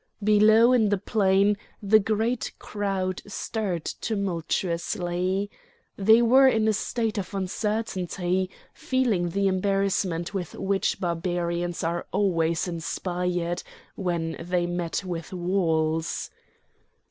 Below in the plain the great crowd stirred tumultuously. They were in a state of uncertainty, feeling the embarrassment with which Barbarians are always inspired when they meet with walls.